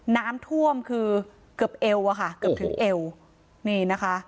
น้ำท่วมคือเกือบเอวอะค่ะเกือบถึงเอวนี่นะคะ